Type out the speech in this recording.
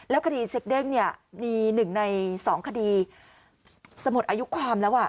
แล้วคดีเช็คเด้งเนี่ยมีหนึ่งในสองคดีจะหมดอายุความแล้วอ่ะ